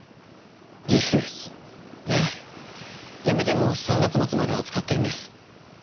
辞めても３月末までは使っていいんです。